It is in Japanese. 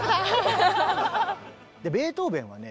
ベートーベンはね